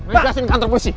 beri dia sini kantor posisi